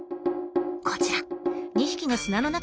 こちら。